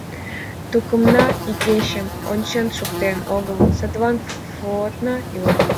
— Тукымна игечым ончен шуктен огыл, садлан флотна ила.